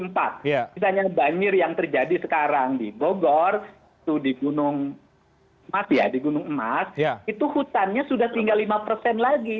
misalnya banjir yang terjadi sekarang di bogor di gunung emas itu hutannya sudah tinggal lima persen lagi